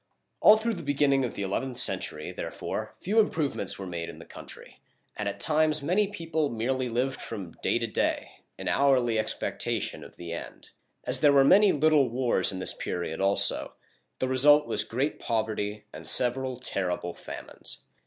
All through the beginning of the eleventh century, therefore, few improvements were made in the country, and at times many people merely lived from day to day, in hourly expectation of the end. As there were many little wars in this period also, the result was great poverty and several terrible famines.